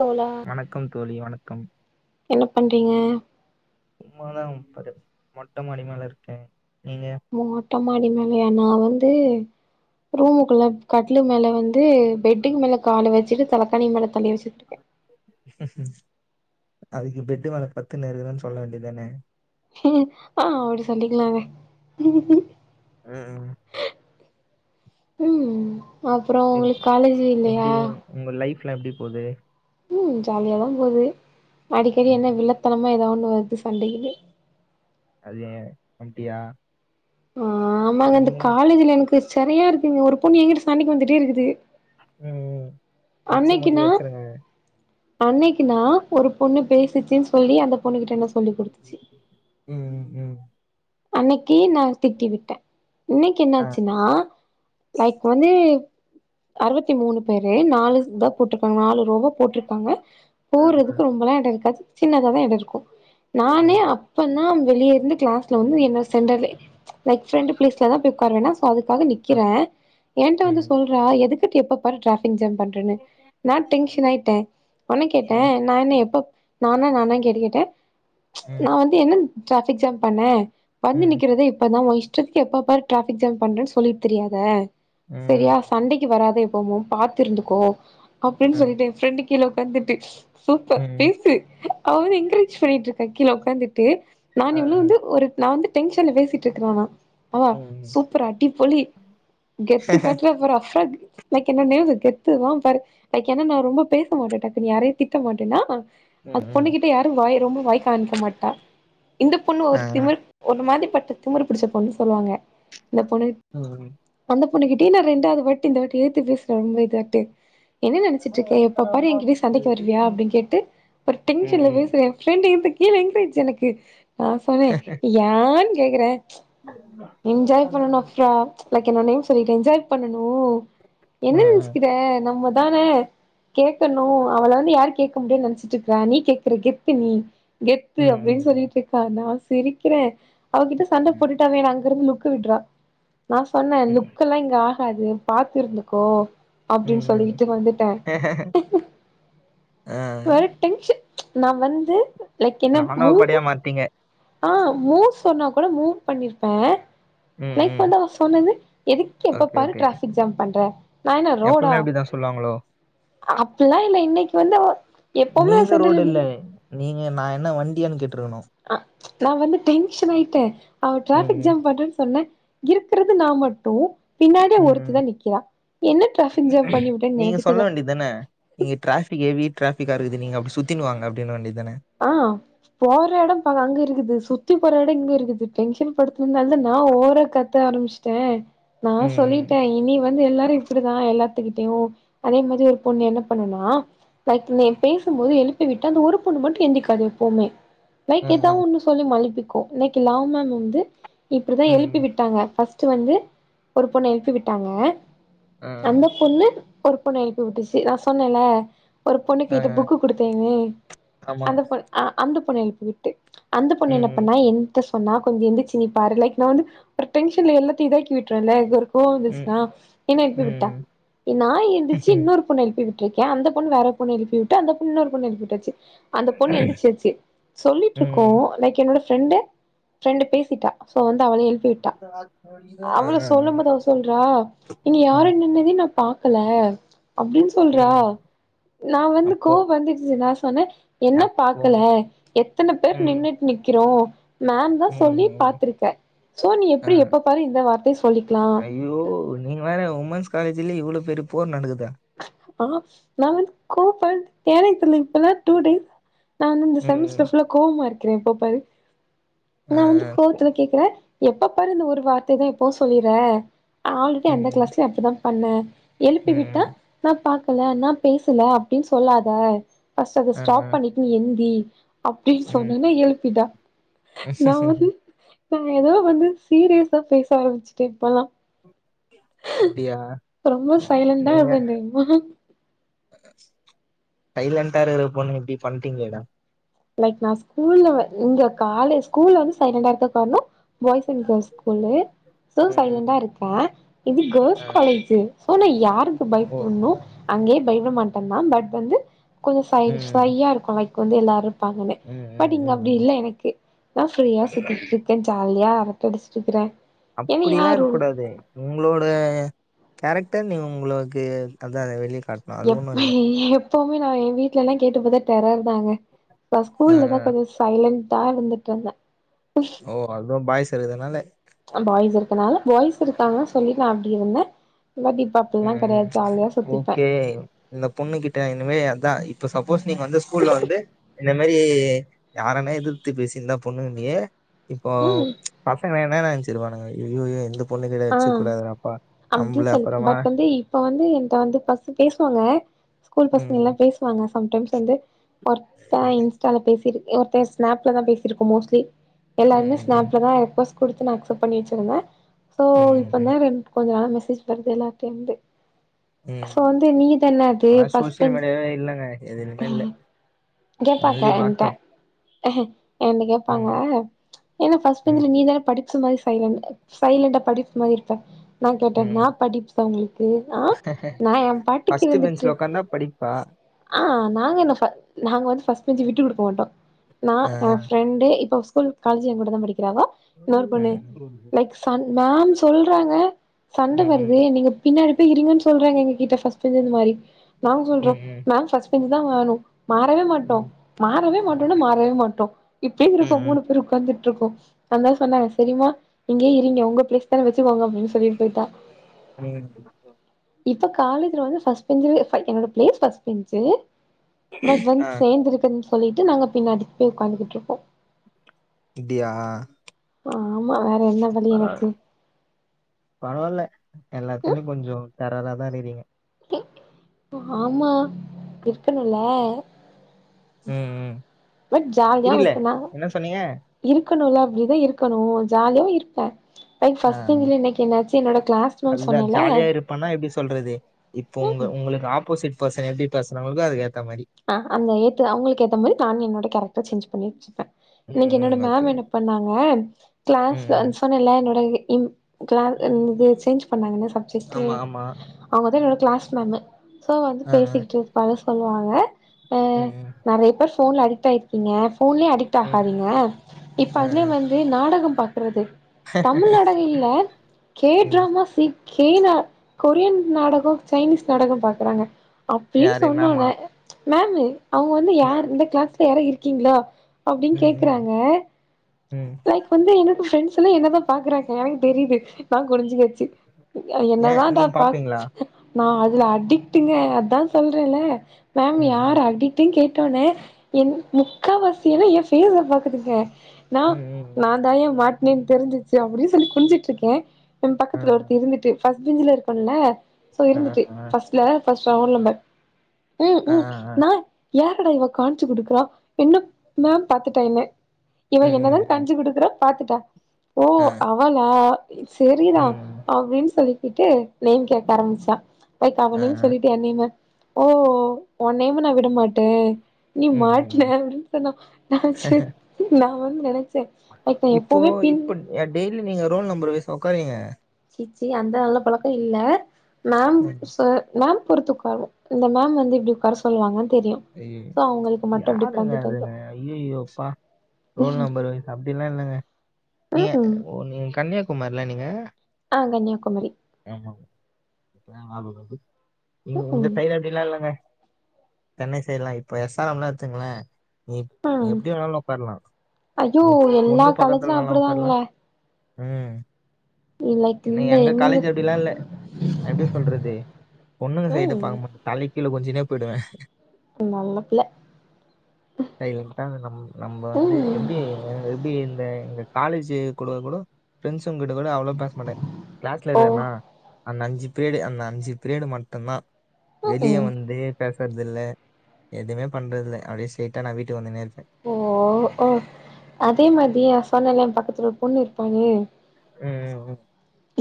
தோழா வணக்கம் தோழி வணக்கம் என்ன பண்றீங்க சும்மாதா [unintelligible] மொட்ட மாடி மேல இருக்கே நீங்க மொட்டமாடி மேல நா வந்து ரூமுக்குள்ள கட்லு மேல வந்து பெட்டுக்கு மேல கால வச்சுட்டு தலக்கானி மேல தலய வச்சுட்டு இருக்கே அதுக்கு பெட்டு மேல பத்துனு இருக்றேன்னு சொல்ல வேண்டியதானே ஆஹ் அப்டி சொல்லிக்கலாங்க ம் ம் அப்றோ உங்களுக்கு காலேஜ் இல்லையா க்லா எப்டி போது ம் ஜாலியாதா போது அடிக்கடி ம் என்ன வில்லத்தனமா ஏதாது நேத்து சண்டையிலு அது ஏ வண்ட்டியா ஆஹ் ஆமாங்க இந்த காலேஜ்ல என்கு செரியா இருக்குங்க ஒரு பொண்ணு என்கிட்ட சாண்டைக்கு வந்துட்டே இருக்குது ம் அச்சு மூஞ்சிய ஒச்சுருங்க அன்னைக்கு நா ஒரு பொண்ணு பேசுச்சுன்னு சொல்லி அந்தப் பொண்ணகிட்ட என்ன சொல்லி் குடுத்துச்சு ம் ம் அன்னைக்கு நா திட்டி விட்டே இன்னைக்கு ஆ என்னாச்சுன்னா லைக் ஒன்னு அறுபத்தி மூணு பேரு நாலுந்தா போட்ருக்காங்க நாலு ரோவ போட்ருக்காங்க அ அ போடுறதுக்கு [unintelligible] மேடங்கது சின்னதாதா எடோ இருக்கு ம் நானே ம் அப்ப தா வெளிய இருந்து கிளாஸ்ல வந்து என்ன சென்றல லைச் ஃபிரண்டு பிளேஸ்ல தா போய் உக்கார் வேணா சோ அதுக்காக ஆ நிக்கிறே என்ட ம் ம் வந்து சொல்றா எதுக் கு எப்ப பாரு டாபிக் ஜாம் பண்றனு நா டென்ஷன் ஆயிட்டே ஒன்னே கேட்டே ம் நா என்ன எப்பப் நானா நானாணு கேட்டுக்கிட்டே ச் நா வந்து என்ன டாபிக் ஜாம் பண்ணே ம் வந்து ம் ம் நிக்கிறதே இப்பதா உன் இஷ்டத்துக்கு எப்ப பாரு டிராஃபிக் ஜாம் பண்றேன்னு சொல்லிட்டு திரியாத செரியா சண்டைக்கு வராத எப்போமு பாத்து இருந்துக்கோ அப்டின்னு சொல்லிட்டே என் ஃப்ரெண்டு கீழ உக்காந்துட்டு சூப்பர் ம் பேசு அவ வந்து என்க்ரேஜ் பண்ணிட்டு இருக்க கீழ உக்காந்துட்டு நா அ இவ்ளு அ வந்து ஒரு நா வந்து டென்ஷன்ல பேசிட்டு இருக்றானா அவ ம். சூப்பர் அடிப்போலி கெத்து காட்றாப் பாரு அஃப்ராக்கு லைக் என்னன்னே அது கெத்து தா பாரு லைக் என்னன்னா நா ரொம்ப பேச மாட்டே டக்குன்னு யாரையு திட்ட மாட்டேனா அது ம், பொண்ணு ம். கிட்ட யாரும் வாய் ரொம்ப வாய் காமிக்க மாட்டா இந்த பொண்ணு ஆ. ஒரு திமிர் அந்த மாதிரிப்பட்ட திமிரு பிடிச்ச பொண்ணு சொல்லுவாங்க இந்த பொண்ணு ம். அந்த பொண்ணுக்கிட்டே நா ரெண்டாவது வாட்டி இந்த வாட்டி எய்த்து பேசறேன் ரொம்ப இதட்டு என்ன நினச்சிட்டு இருக்க எப்ப பாரு எங்கிட்டயே சண்டைக்கு வருவியா அப்படின் கேட்டு ஒரு டென்ஷன்ல ம். பேசுறேன் என் ஃப்ரெண்ட் என்ட கேழு என்க்ரேஜ் எனக்கு நா சொன்னே நான் கேக்குறேன் என்ஜாய் பண்ணுனோம் அப்புறம் லைக் என்ன நா நேம் சொல்லி என்ஜாய் பண்ணும் ஓ ஆ, என்ன ஆ. நினச்சக்கிற நம்மதானே கேக்கணும் அவள வந்து யார் கேட்க முடியும்னு நினைச்சிட்டு இருக்குறா நீ கேக்குற கெத்து நீ கெத்து ம், அப்படின் ம். சொல்லிட்டு இருக்கா நான் சிரிக்கிறேன் அவகிட்ட சண்ட ம். போட்டுட்ட வேணங்க திரும்பி லுக் விடுறா நா சொன்னே லுக்கு எல்லாம் இங்க ஆகாது பாத்து இருந்துக்கோ ம், அப்படின் ம். சொல்லிக்கிட்டு வந்துட்டேன் ஆ. வேற டென்ஷன் நா வந்து லைக் என்ன ராணுவ மூ படையா மாறுட்டீங்க. ஆஹ் மூவ் சொன்னா கூட மூவ் பண்ணிருப்பேன் உம் லைக் வந்து அவ சொன்னது எதுக்கு எப்ப பாரு ஓகே. ட்ராபிக் ஜாம் பண்ற நா என்ன எப்பவுமே ரோடா அப்படிதான் சொல்லுவாங்களோ அப்டில்லா இல்ல இன்னைக்கி வந்து எப்பவுமே நா நீங்க ரோடு இல்ல. சென்றலிங்க் நீங்க நா என்ன வண்டி அனுப்ச்சி ஆஹ் நா வந்து டென்ஷன் ஆயிட்டே அவ ம், டிராபிக் ம். ஜாம் பண்றேன் சொன்ன இருக்குறது நா மட்டும் பின்னா அவா ம், ம். ஒருத்திதா நிக்கிறா என்ன டிராஃபிக் ஜாம் பண்ணி விட்டேன்னு நீங்க எனக்கு சொல்ல தெர்ல வேண்டியதானே இங்க ட்ராபிக் ஹெவி ட்ரா பிகா இருக்குது நீங்க அப்டி சுத்தினு வாங்க அப்டின்னு வேண்டியது தானே. ஆஹ் போற எடம் அங்க இருக்குது சுத்தி போற எடம் இங்க இருக்குது டென்ஷன் படு இருந்தனால நா ஓவரா கத்த ஆரம்பிச்சுட்டே நா ம், ம். சொல்லிட்டே இனி வந்து எல்லாரு இப்டிதா எல்லாத் துகிட்டயு அதே மாதிரி ஒரு பொண்ணு என்ன பண்ணுனா லைக் பேசும்போது எழுப்பி விட்டா அந்த ஒரு பொண்ணு மட் எந்திக்காது எப்பவுமே ம், லைக் ஏதாவு ம். ஒன்னு சொல்லி மலிப்பிக்கு இன்னைக்கி லா மேம் வந்து இப்டிதா ம், ம். எழுப்பி விட்டாங்க ஃப்ஸ்ர்ட் வந்து ஒரு பொண்ண எழுப்பி விட்டாங்க ஆ, அந்த பொண்ணு ஒரு பொண்ண எழுப்பி விட்டுச்சு நா சொன்னல்ல ஒரு பொண்ணு ஆ, கிட்ட புக்கு குடுத்தேன்னு ஆமா. அந்த பொண்ண அ அந்த பொண்ண எழுப்பி விட்டு அந்த பொண்ணு என்ன ம், பண்ணா என் கிட்ட சொன்னா கொஞ்சோ எந்திச்சு நீ பாரு லைக் நா வந்து ஒரு டென்ஷன்ல எல்லத்தையு இதாக்கி விட்றேன்ல்ல இது ஒரு கோவம் ம், வந்துச்சுனா என்ன எழுப்பி விட்டா ம், நா எந்திச்சி இன்னொரு பொண்ண எழுப்பி விட் ருக்கேன் அந்த பொண்ணு வேற பொண்ண எழுப்பி விட்டு அந்த பொண்ணு இன்னொரு பொண்ண எழுப்பி விட்டாச்சு அந்த பொண்ணு எந்திச்சிச்சு சொல்லிட்டு இருக்கோ ம். லைக் என்னோட ஃப்ரெண்டு ஃப்ரெண்டு பேசிட்டா சோ வந்து அவள எழுப் பிவிட்டா ஆ, ஆ, அவள ஆ, சொல்லும்போது அவ சொல்றா நீங்க ஆ, யாருன்னதே நா பாக் பாக்கல அப்டின்னு சொல்றா ம். நா வந்து அப்போ கோவ வந்துடுச்சு நா சொன்னே என்ன அப்போ பாக்கல எத்தனை பேர் ம், நின்னுட்டு நிக்கிறோ மேம் தா சொல்லி ம், பாத்திருப்ப சோ நீ ஆ. எப்டி எப்ப பாரு இந்த வார்த்த ஐயோ நீங்க வேற உமன்ஸ் காலேஜ்லயே இவ்ளோ பெரிய போர் நடக்குதா ஆஹ் நா வந்து கோப் பட் ஏனே தெரில இப்பல்லா டூ டேஸ் நா வந்து இந்த ம், செமஸ்டர் ஃபுல்ல கோவமா இருக்கிறே எப்போபாரு ஆ, நா வந்து போ கோவத்துல கேக்குறே எப்ப பாரு இந்த ஒரு வார்த்தைதா எப்பவு சொல்லிற ஆல்ரெடி அந்த ம், கிளாஸ்ல அப்டிதா பண்ணே எழுப்பி விட்டா ம், நா பாக்கல நா பேசல அப்டின்னு சொல்லாத பஸ்ட் அத ஆ, ஆ, ஸ்டாப் பண்ணிட்டு நீ எந்தி அப்டின்னு ம். சொன்னோன்னே எழுப்பிடா [unintelligible] நா ஏதோ வந்து சீரியஸா பேச ஆரம்பிச்சுட்டே இப்பல்லா அப்டியா? ரொம்ப சைலண்டா நீங்க இருப்ப தெரிமா சைலண்டா இருக்குற பொண்ணுக இப்டி பண்ணிட்டீங்களேடா லைக் நா ஸ்கூல்ல வ இங்க காலே ஸ்கூல்ல வந்து சைலண்டா இருக்க கார்னோ பாய்ஸ் அண் கேள்ஸ் ஸ்கூல்லு சோ ம், சைலண்டா இருப்பே இது கேள்ஸ் ஆ, காலேஜு சோ நா யாருக்கு ஓ! பயப்பட்ணு அங்கே பயப்பட மாட்டே மேம் பட் வந்து கொஞ்சோ சை ம், சையா இருக்கு லைக் வந்து எல்லாரு பாப்பமே ம், பட் ம், இங்க ம். அப்டி ம். இல்ல எனக்கு நா ப்ரீயா சுத்திட்டு இருக்கே ஜாலியா அப் நா படிச்சிருக்குறே அப்டில்லா இருக் கூடாது உங்களோட கேரக்டா நீ உங்களோக்கு அதா அதா வெளி எப்பி எப்பவுமே நா ஏ வீட்லல்லா கேட்டு பாத்தா டெரர் தாங்க நா ஆ ஆ ஸ்கூல்லதா கொஞ்சோ சைலண்டா இருந்துட்டு இருந்த ஓ அதுவு பாய்ஸ் இருக்கறதுனால பாய்ஸ் இருக்கனால பாய்ஸ் இருக்காகன்னு சொல்லிட்டு நா அப்டி இருந்தே பட் இப்ப அப்டில்லா ம் கெடையாது ம் ஜாலியா சுத்திப்பே ஓகே இந்த பொண்ணு கிட்ட இனிமே அதா இப்ப சப் பூஸ்னிக் வந்து ஸ்கூல்ல வந்து இந்த மாரி யாரன்னா எதுத்து பேசி இருந்தா பொண்ணுன்னியே இப்போ ம் பசங்கலெல்லா என்னா நெனச்சுருப்பானுக ஐய்யையோ இந்த பொண் பொண்ணுகளே ஆ வச்சுக் கூடாதுடாப்பா அப்டி நம்மளப் சொல்லி பட் வந்து இப்ப வந்து என்ட வந்து பச பேசுவாங்க ஸ்கூல் பசங்க ம் எல்லா பேசுவாங்க சம்டைம்ஸ் வந்து ஒருத்தே இன்ஸ்டால பேசி ஒருத்தே ஸ்நாப்ல தா பேசிருபோ மோஸ்ட்லி ம் எல்லாருமே ம் ம் ஸ்னப்ல தா ரிக்கொஸ் கொடுத்து நா அக்சப்ட் பண்ணிட்ருந்தே சோ ம் இப்ப ம் தா ரென்ட் கொஞ்ச நாள மெசேஜ் வருது எல்லார்டயிருந்து சோ ம் வந்து நீதான அது ஆனா பஸ்ட் சோசியல் பெஞ்ச் மீடியாவே இல்லங்க எதுலயுமே இல்ல இங்க ஒன்லி பாக்க எண்ட வாட்ஸ்அப். என்ன கேப்பாங்க ம், ஏன்ன பஸ்ட் ம், பெஞ்சுல நீதானே படி ஸ்சு மாரி சைலண்ட் சைலண்டா படிப்பு மாரி இருப்பே நா கேட்டனா ம். படிப்பு சவுண்ட்ளுக்கு ஆ நா ஏ பாட்டுக்கு ஃபர்ஸ்ட்டு இருந்துட்டு பெஞ்ச்ல உட்கார்ந்தா படிப்பா? ஆ போட்டோ நா அ, ஏ பிரெண்டு இப்ப ஸ்கூல் காலேஜ் ஏகூட தா படிக் எவா இன்னொரு ம், பொண்ணு ம், லைக் சன் மேம் சொல்றாங்க சண்ட ம், வருதே ம், நீங்க பின்னாடி போய்றீங்கன்னு சொல்றாங்க எங்க கிட்ட பஸ்ட் பெஞ்லருந்து மாரி நாங்க ம், சொல்றோ ம், நா பஸ்ட் பென்ச் தா வேணு மாறவே மாட்டோ ம். மாறவே மாட்டோனா மாறவே மாட்டோ இப்பயு இருக்கோ ம். மூணு பேரு உட்காந்துட் ருப்போ அந்தஆ சொன்னாங்க சரிமா இங்கே இருங்கே உங்க பிளேஸ் தானே வச்சுக்கோங்க அப்டின்னு சொல்லிட்டு போயிட்டா [unintelligible] இப்ப காலேஜல வந்து பஸ்ட் பெஞ்சு என்னோட பிளேஸ் பஸ்ட் பெஞ்சு பட் ஆ, வந்து சேந்து இருக்குதுன்னு சொல்லிட்டு நாங்க பின்னாடி போய் உட்காந்துகிட்ரு இருக்கோ அப்டியா ஆமா வேற என்ன வழி பரவால் எனக்கு பரவால்ல எல்லாத்லியு கொஞ்சோ டெரரா தா இருகுறீங்க ஆமா இருக்கணுல ம் ம் பட் ஜாலியா புரியல. விட்டுனாங்க என்ன சொன்னீங்க? இருக்கணுல அப்டிதா இருக்கணு ஜாலியா இருப்பே ஆ, பைஸ்ட் பெஞ்ல இன்னைக்கு என்னாச்சு என்னோட கிளாஸ் மேம் அதுதான் சொன்னல ஜாலியா இருப்பேன்னா எப்டி சொல்றது? இப்போ உங்க உங்களுக்கு ஆப்போசிட் பர்சன் எப்டி பேசுறாங்களுக்கு அதுக் ஏத் ஆ அந்த ஏத்த அவங்களுக்கு ஏத்த மாரி நான் என்னோட கேரக்டர் சேஞ்ச் பண்ணிவச்சிருப்பே ம், இன்னைக்கு ம். என்னோட ஓகே. மேம் என்ன பண்ணாங்க ம், கிளாஸ்ல ம். சொன்னல என்னோட ம் கிளா இதுன்னது சேஞ்ச் பண்ணாங்கன்ன சப்ஜெக்டு ஆமா, ஆமா. அவங்கதா என்னோட கிளாஸ் மேம்மு சோ வந்து அ, அ. பேசிக்கிட்டுருப்பாங்க சொல்லுவாங்க அ ம், ம், நிறைய பேர் போன்ல அடிட் ஆயிருப்பீங்க போன்லே அடிட் ம். ஆகாதீங்க இப்ப அ, அதுலே அ. வந்து நாடகம் றது தமிழ் நாடகஇல்ல ம். கேட்ராம சீ கேனா கொரியன் நாடகோ சைனீஸ் நாடகோ பாக்குறாங்க அப்டின்னு யாரு சொன்னங்க மேமா? மேம் அவுங்க வந்து யார் ம். இந்த கிளாஸ்ல யாரா இருக்கீங்களா அப்டின்னு ம். கேக்குறாங்க ம். ம். லைக் வந்து என்னோட பிரரெண்ட்ஸ் எல்லா என்னதா பாக்கறாங்க எனக்கு தெரிது நா குனிஞ்சுகாச் சு ஏன் என்னதான்டா நீங்க பா பாப்பீங்களா? நா இதுல அடிக்ட்டுங்க அதா சொல்றேன்ல மேம் ம். ம். யார் அடிக்ட்டுன்னு கே ட்டொன்ன என் முக்காவாசியென என் ஃபேச பாக்குதுங்க நா ம். நான்தாயா மாட்னேன்னு தெரிஞ்சிச்சு அப்டின்னு சொல்லி குனிச்சிட்டு இருக்கே என் பக்கத்துல ஒருத்தி ம். இருந்துட்டு ஃபர்ஸ்ட் பெஞ்ச்ல இருக்குல்ல சோ அ, இருந்துட்டு அ. ஃபர்ஸ்ட்ல ஃபர்ஸ்ட் ரோல் நம்பர் ம் அ, அ, ம் அ. நா ஏரடாஇவ காணிச்சு குடுக்குறா என்ன மேம் பாத்துட்டா என்ன ம் ம் ம் பறோ பாத்துட்டா ஓ அ. அவளா செரிதா ம். அப்டின்னு சொல்லி இது நேம் கேட்க ஆரம்பிச்சா லைக் அ, அவன் நேம் அ. சொல்ட்டு என்னமே ஓ என் நேம் நா வி விட மாட்டே நீ ம். ம். மாட்ன ம். அப்டின்னு சொன்னா நா செ நா வந்து நென இப்போ இப்ப டெய்லி நீங்க ரோல் நம்பர் வஸா உக்காரீங்க ச்சீ அந்த நல்ல பழக்கோ இல்ல மேம் ம். சொ மேம் பொறுத்துக்குவாக இந்த மேம் வந்து இப்டி உட்கார சொல்லுவாங்க அய்யயோ யாரு இவன் அதுங்க வந்துரு அய்யயோ பா ரோல் நெம்பர் வைஸ் அப்டியெல்லா இல்லங்க நீங்க ம் ம் ஓ நீங்க கன்னியாகுமாரில்ல நீங்க ஆ கன்னியாகுமரி ஏமா பேனால உள்ளது ம் நீங்க ம் உங்க ம் சைடு அப்டியெல்லா இல்லங்க சென்னை சைடுலா இப்ப எஸ் ஆர் எம்ல்லா எடுத்துங்ளே நீ நீ எப்டி வேணாலு உட்கார்லா அய்யோ எல்லா காலேஜ்ல அப்டிதாங்க ம் என்ன எங்க காலேஜ் அப்டியெல்லா இல்ல எப்டி சொல்றது பொண்ணுங்க சைடு ம் பாக்க மாட்டோ தலை கீழ குனிஞ்சுனே போயிடுவே நல்ல பிள்ள அய்யயோ நம் நம்ப வந்து ம் எப்டி எப்டி இந்த எங்க காலேஜ் கூட கூடோ ஃப்ரெண்ட்ஸுங்ககிட்ட கூட அவ்ளோ பேச மாட்டே கிளாஸ்ல ஓ இருக்கனா அந்த அஞ்சு பிரீயடு அந்த அஞ்சு பிரீயடு மட்டுந்தா ம் வெளிய ம் வந்து பே வர்து இல்ல எதுமே பண்றது இல்ல அப்டியே ஸ்ட்ரெய்டா நா வீட்டுக்கு வந்துனே இருப்பே ஓ ஓ அதே மாதி எ சொன்னல்ல என் பக்கத்துல ஒரு பொண்ணு இருப்பானு ம்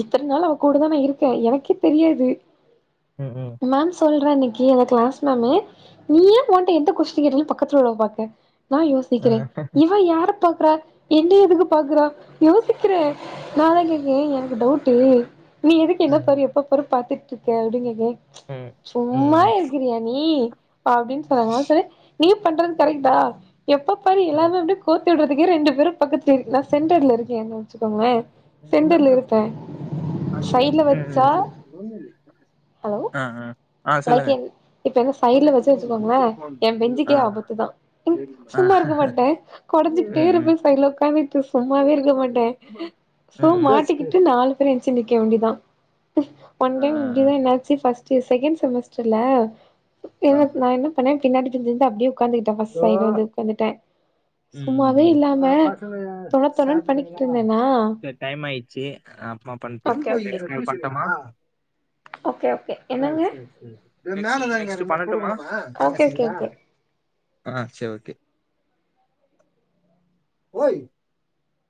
இத்தன நாள் அவ கூடதா நா இருக்க எனக்கே தெரியாது ம் ம் மேம் சொல்றா நீ கே எங்க கிளாஸ் மேமு நீ ஏன் ஒன்ட்ட எந்த கொஷ்டின் கேட்டாலு பக்கத்துல உள்ளவ பாக்க நா ம் ம் யோசிக்கிறே இவ யார பாக்குறா என்னய எதுக்கு பாக்குறா யோசிக்கிறே நா தா கேப்பே எனக்கு டவுட்டு நீ எதுக்கு என்ன ம் பாரு எப்ப பாரு பாத்துட்டு இருக்க அப்டினு கேப்பே ம் ம் சும்மா ம் இருக்கிறியா நீ அப்டின்னு சொல்வா நா சொல்வே நீ பண்றது கரெக்ட்டா எப்ப பாரு எல்லா மேம்ட்டயு கோத்து விடறதுக்கே ரெண்டு பேரூ பக்கத்துல இருக்கீளா சென்டர்ல இருக்கேன்னு வெச்சுக்கோங்களே ம் சென்டர்ல இருப்பே சைட்ல வச்சா ம் ம் ஹலோ ஆ ஆ ஆ லைக் சொல்லுங்க என் இப்ப என்ன சைட்ல தொண்ணூத்தி வெச்சு மூணு வெச்சுக்கோங்களே இன்சுல போன் என் இதுல பெஞ்சுக்கே போட்ட ஆபத்துதா ஏழு ஆ சும்மா இருக்க மணி மாட்டே இது ம் கொடஞ்சுகிட்டே ம் ம் இருப்பே சைடுல உட்காந்துட்டு சு ம்மாவே இருக்க மாட்டே சோ ம். பேசு மாட்டிக்கிட்டு பேசு நாலு பேரு என்ச்சு நிக்க வேண்டிதா போன் ஆ டைம் ஆ ஆ அப்டிதா என்னாச்சு ஃபர்ஸ்ட் செகண்ட் செமஸ்டர்ல என்ன ஆ. நா என்ன பண்ணே பின்னாடி பிரிஞ்சிருந்து அப்டியே உக்காந்துகிட்டே ஃபர்ஸ்ட் ஹலோ சைடு வந்து உக்காந்துட்டே ம் ம் சும்மாவே ம் இல்லாம அ பசங்க தொண தொணன்னு பண்ணிக்கிட்டு சாப்பிட்டுட்டீங்ளா இருந்தேனா செரி டைம் ஆயிடுச்சு நா அப்றோ பண்ட்மா ஓகே ஓகே நெக்ஸ்ட் பண்ட்டுமா ஓகே ஓகே ஆ என்னங்க சேரி சேரி இது மேல எதா குடுக்கணுமா ஓகே தங்கச்சி ஓகே கிட்ட நெக்ஸ்ட் ஓகே பண்ணட்டுமா ஆ சேரி ஓகே ஓய்